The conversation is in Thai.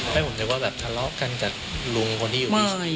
ให้ผมนึกว่าแบบทะเลาะกันกับลุงคนที่อยู่นี่